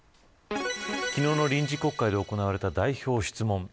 昨日の臨時国会で行われた代表質問。